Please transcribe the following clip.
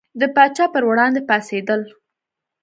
د پاچا پر وړاندې پاڅېدل.